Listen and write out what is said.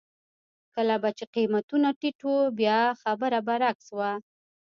کله به چې قېمتونه ټیټ وو بیا خبره برعکس وه.